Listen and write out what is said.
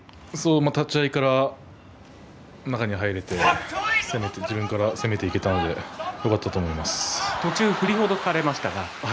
立ち合いから中に入れて自分から攻めていけたので途中、振りほどかれましたが。